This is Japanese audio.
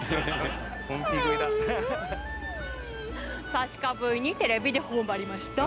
さしかぶいにテレビで頬張りました。